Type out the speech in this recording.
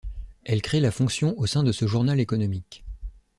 Elle crée la fonction au sein de ce journal économique.